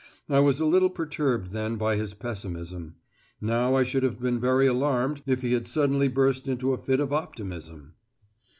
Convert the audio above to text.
I was a little perturbed then by his pessimism. Now I should have been very alarmed if he had suddenly burst into a fit of optimism.